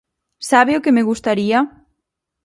¿Sabe o que me gustaría?